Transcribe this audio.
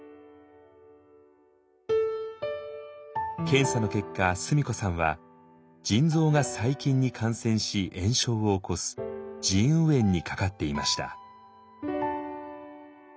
検査の結果須美子さんは腎臓が細菌に感染し炎症を起こす「腎盂炎」にかかっていました。